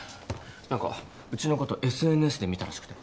何かうちのことＳＮＳで見たらしくて。